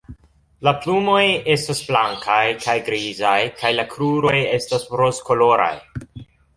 La plumoj estas blankaj kaj grizaj kaj la kruroj estas rozkoloraj.